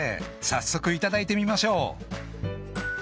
早速いただいてみましょう］